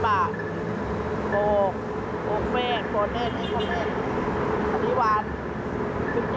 อันนี้๑๕๐บาท